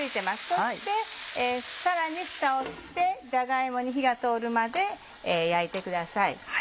そしてさらにふたをしてじゃが芋に火が通るまで焼いてください。